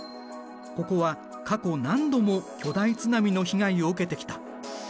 ここは過去何度も巨大津波の被害を受けてきた。